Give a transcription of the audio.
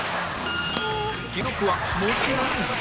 記録はもちろん０